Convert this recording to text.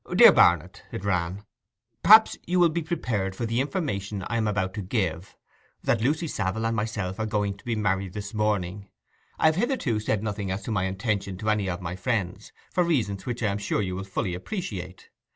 'DEAR BARNET'—it ran—'Perhaps you will be prepared for the information I am about to give—that Lucy Savile and myself are going to be married this morning. I have hitherto said nothing as to my intention to any of my friends, for reasons which I am sure you will fully appreciate.